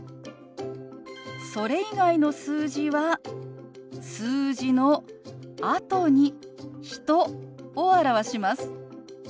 それ以外の数字は数字のあとに人を表します。